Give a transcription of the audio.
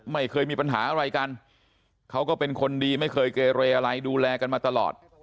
ไม่เคยมีปัญหาอะไรกันเขาก็เป็นคนดีไม่เคยเกเรอะไรดูแลกันมาตลอด